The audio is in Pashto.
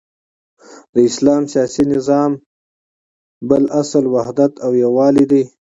د اسلام سیاسی نظام بل اصل وحدت او یوالی دی،